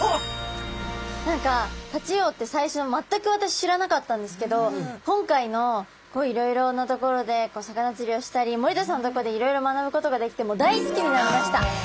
何かタチウオって最初全く私知らなかったんですけど今回のいろいろなところで魚釣りをしたり森田さんのところでいろいろ学ぶことができてああ